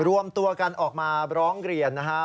รวมตัวกันออกมาร้องเรียนนะครับ